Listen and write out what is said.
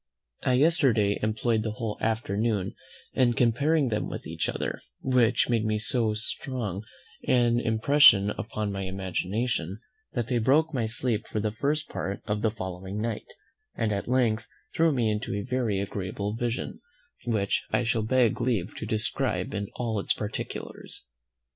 I yesterday employed the whole afternoon in comparing them with each other, which made so strong an impression upon my imagination, that they broke my sleep for the first part of the following night, and at length threw me into a very agreeable vision, which I shall beg leave to describe in all its particulars.